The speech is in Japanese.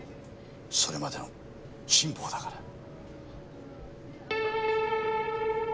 それまでの辛抱だから。